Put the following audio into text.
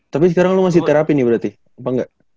tapi sekarang lu masih terapi nih berarti atau enggak